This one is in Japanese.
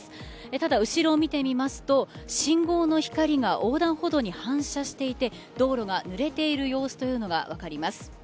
ただ、後ろを見てみますと信号の光が横断歩道に反射していて道路がぬれている様子というのが分かります。